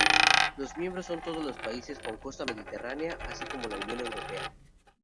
Los miembros son todos los países con costa mediterránea así como la Unión Europea.